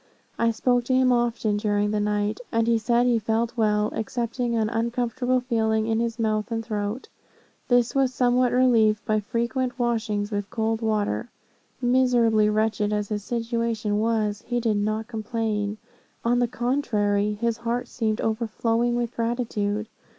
I spoke to him often during the night, and he said he felt well, excepting an uncomfortable feeling in his mouth and throat. This was somewhat relieved by frequent washings with cold water. Miserably wretched as his situation was, he did not complain; on the contrary, his heart seemed overflowing with gratitude.